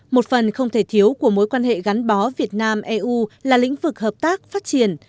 một phần không thể thiếu của mối quan hệ gắn bó việt nam eu là lĩnh vực hợp tác phát triển